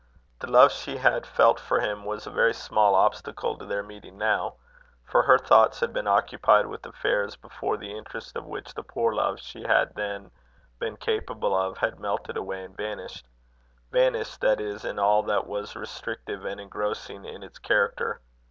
The love she had felt for him was a very small obstacle to their meeting now; for her thoughts had been occupied with affairs, before the interest of which the poor love she had then been capable of, had melted away and vanished vanished, that is, in all that was restrictive and engrossing in its character.